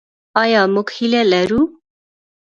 آیا موږ هیله لرو؟